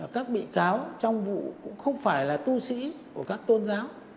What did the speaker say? các bị cáo trong vụ cũng không phải là tu sĩ của các tôn giáo